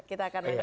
kita akan menerima